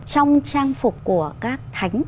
trong trang phục của các thánh